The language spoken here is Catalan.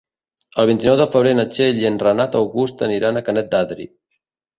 El vint-i-nou de febrer na Txell i en Renat August aniran a Canet d'Adri.